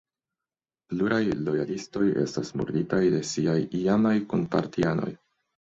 Pluraj lojalistoj estas murditaj de siaj iamaj kunpartianoj.